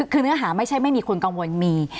คือเนื้อหาไม่ใช่ไม่มีคนกังวลมี